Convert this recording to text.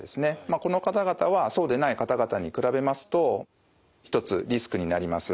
この方々はそうでない方々に比べますと一つリスクになります。